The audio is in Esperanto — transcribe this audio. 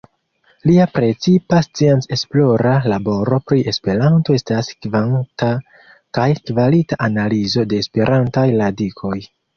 Lia precipa scienc-esplora laboro pri Esperanto estas kvanta kaj kvalita analizo de Esperantaj radikoj.